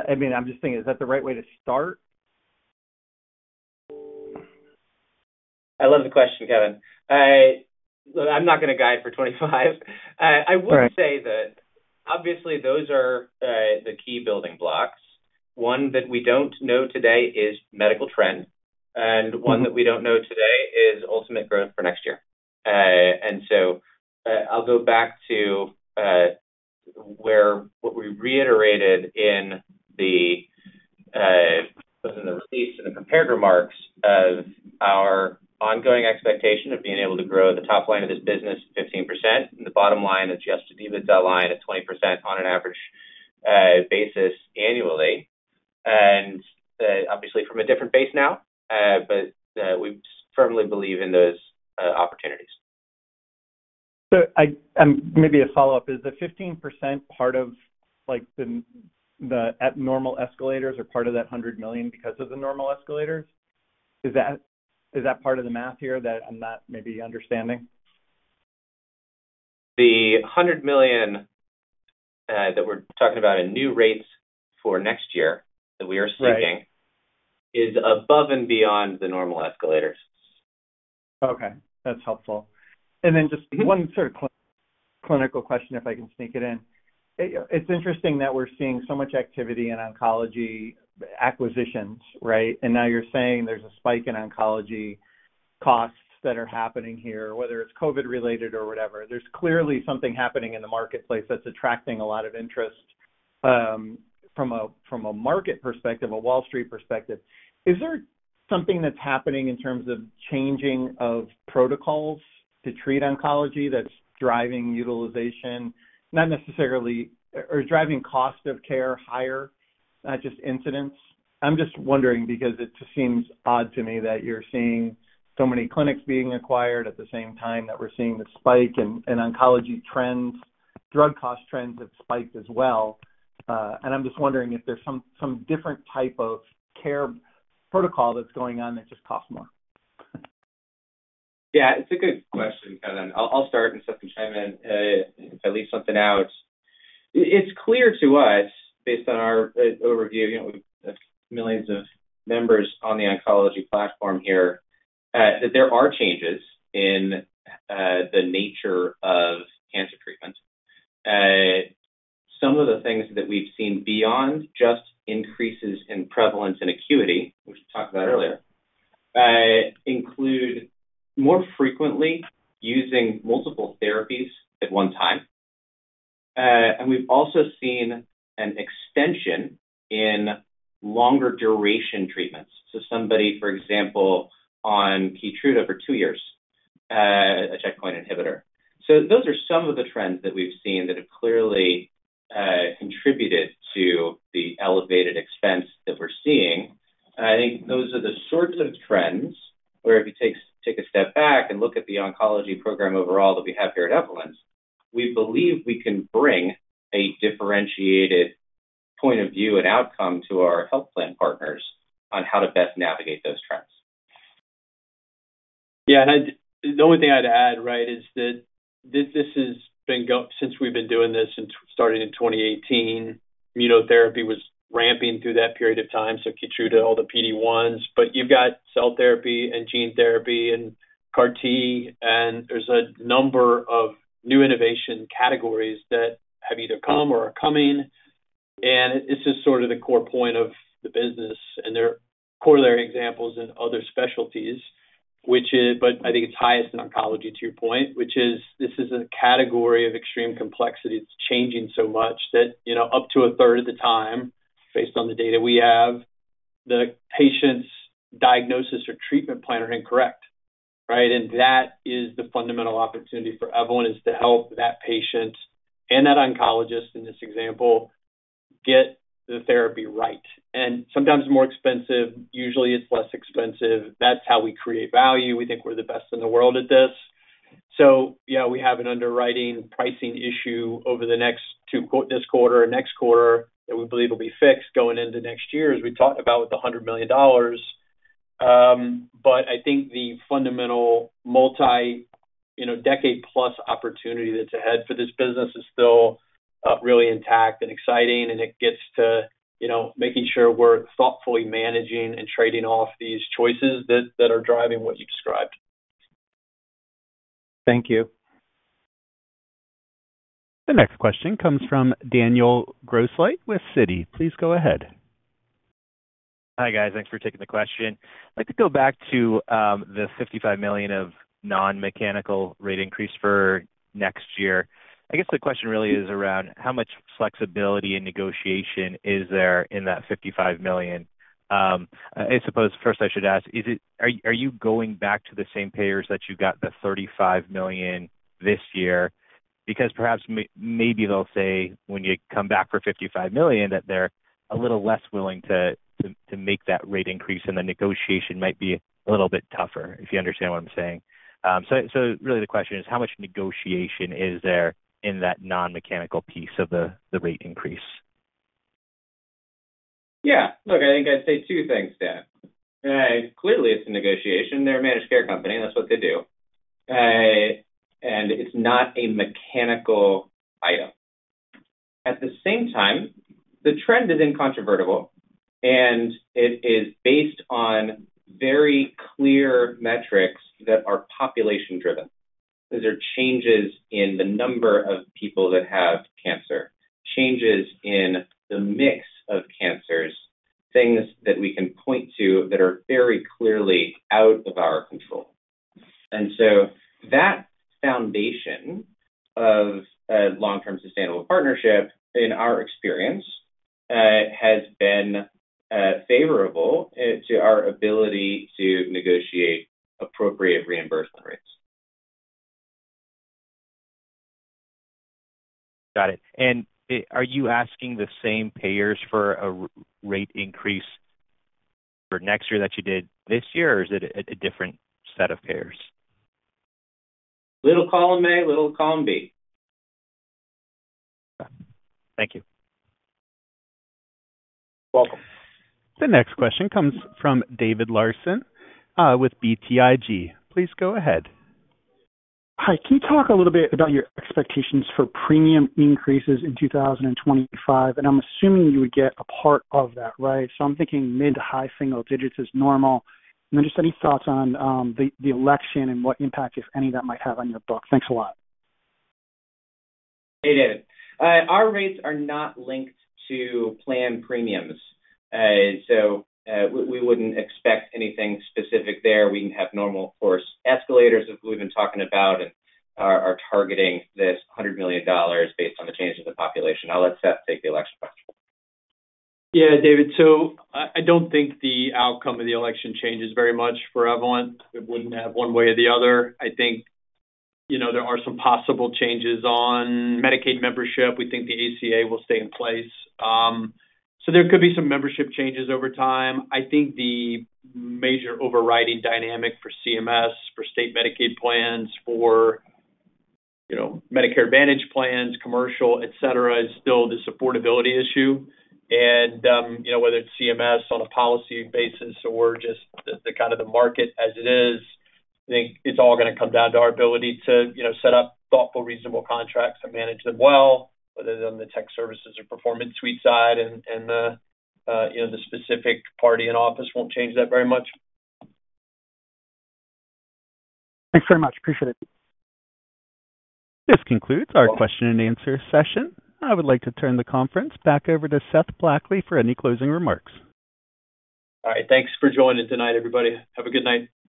I mean, I'm just thinking, is that the right way to start? I love the question, Kevin. I'm not going to guide for 25. I would say that, obviously, those are the key building blocks. One that we don't know today is medical trend. And one that we don't know today is ultimate growth for next year. And so I'll go back to what we reiterated in the release and the prepared remarks of our ongoing expectation of being able to grow the top line of this business 15% and the bottom line adjusted EBITDA line at 20% on an average basis annually. And obviously, from a different base now, but we firmly believe in those opportunities. So maybe a follow-up is the 15% part of the normal escalators or part of that $100 million because of the normal escalators? Is that part of the math here that I'm not maybe understanding? The $100 million that we're talking about in new rates for next year that we are seeking is above and beyond the normal escalators. Okay. That's helpful. And then just one sort of clinical question, if I can sneak it in. It's interesting that we're seeing so much activity in oncology acquisitions, right? And now you're saying there's a spike in oncology costs that are happening here, whether it's COVID-related or whatever. There's clearly something happening in the marketplace that's attracting a lot of interest from a market perspective, a Wall Street perspective. Is there something that's happening in terms of changing of protocols to treat oncology that's driving utilization, not necessarily or driving cost of care higher, not just incidence? I'm just wondering because it just seems odd to me that you're seeing so many clinics being acquired at the same time that we're seeing the spike in oncology trends. Drug cost trends have spiked as well. And I'm just wondering if there's some different type of care protocol that's going on that just costs more. Yeah. It's a good question, Kevin. I'll start and then chime in if I leave something out. It's clear to us, based on our overview, millions of members on the oncology platform here, that there are changes in the nature of cancer treatment. Some of the things that we've seen beyond just increases in prevalence and acuity, which we talked about earlier, include more frequently using multiple therapies at one time, and we've also seen an extension in longer duration treatments, so somebody, for example, on Keytruda for two years, a checkpoint inhibitor, so those are some of the trends that we've seen that have clearly contributed to the elevated expense that we're seeing. I think those are the sorts of trends where, if you take a step back and look at the oncology program overall that we have here at Evolent's, we believe we can bring a differentiated point of view and outcome to our health plan partners on how to best navigate those trends. Yeah, and the only thing I'd add, right, is that since we've been doing this and starting in 2018, immunotherapy was ramping through that period of time. Keytruda, all the PD1s. But you've got cell therapy and gene therapy and CAR-T. And there's a number of new innovation categories that have either come or are coming. And it's just sort of the core point of the business. And there are corollary examples in other specialties, but I think it's highest in oncology, to your point, which is this is a category of extreme complexity that's changing so much that up to a third of the time, based on the data we have, the patient's diagnosis or treatment plan are incorrect, right? And that is the fundamental opportunity for Evolent, is to help that patient and that oncologist, in this example, get the therapy right. And sometimes more expensive. Usually, it's less expensive. That's how we create value. We think we're the best in the world at this. So yeah, we have an underwriting pricing issue over the next this quarter and next quarter that we believe will be fixed going into next year, as we talked about, with the $100 million. But I think the fundamental multi-decade-plus opportunity that's ahead for this business is still really intact and exciting. And it gets to making sure we're thoughtfully managing and trading off these choices that are driving what you described. Thank you. The next question comes from Daniel Grosslight with Citi. Please go ahead. Hi, guys. Thanks for taking the question. I'd like to go back to the $55 million of non-mechanical rate increase for next year. I guess the question really is around how much flexibility and negotiation is there in that $55 million? I suppose first I should ask, are you going back to the same payers that you got the $35 million this year? Because perhaps maybe they'll say, when you come back for $55 million, that they're a little less willing to make that rate increase, and the negotiation might be a little bit tougher, if you understand what I'm saying. So really, the question is, how much negotiation is there in that non-mechanical piece of the rate increase? Yeah. Look, I think I'd say two things, Dan. Clearly, it's a negotiation. They're a managed care company. That's what they do. And it's not a mechanical item. At the same time, the trend is incontrovertible, and it is based on very clear metrics that are population-driven. These are changes in the number of people that have cancer, changes in the mix of cancers, things that we can point to that are very clearly out of our control. And so that foundation of a long-term sustainable partnership, in our experience, has been favorable to our ability to negotiate appropriate reimbursement rates. Got it. And are you asking the same payers for a rate increase for next year that you did this year, or is it a different set of payers? Little column A, little column B. Thank you. Welcome. The next question comes from David Larsen with BTIG. Please go ahead. Hi. Can you talk a little bit about your expectations for premium increases in 2025? And I'm assuming you would get a part of that, right? So I'm thinking mid to high single digits is normal. And then just any thoughts on the election and what impact, if any, that might have on your book? Thanks a lot. Hey, David. Our rates are not linked to plan premiums. So we wouldn't expect anything specific there. We can have normal, of course, escalators that we've been talking about and are targeting this $100 million based on the changes in population. I'll let Seth take the election question. Yeah, David. So I don't think the outcome of the election changes very much for Evolent. It wouldn't have one way or the other. I think there are some possible changes on Medicaid membership. We think the ACA will stay in place. So there could be some membership changes over time. I think the major overriding dynamic for CMS, for state Medicaid plans, for Medicare Advantage plans, commercial, etc., is still this affordability issue. And whether it's CMS on a policy basis or just kind of the market as it is, I think it's all going to come down to our ability to set up thoughtful, reasonable contracts and manage them well, whether they're on the tech services or performance suite side. And the specific party in office won't change that very much. Thanks very much. Appreciate it. This concludes our question-and-answer session. I would like to turn the conference back over to Seth Blackley for any closing remarks. All right. Thanks for joining tonight, everybody. Have a good night.